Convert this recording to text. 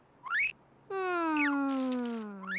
うん。